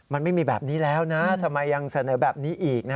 มันไม่มีแบบนี้แล้วนะทำไมยังเสนอแบบนี้อีก